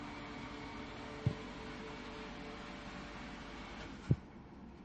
বৃষ্টিটা এমন সময় নামল যেন দক্ষিণ আফ্রিকার সঙ্গে তার চরম শত্রুতা।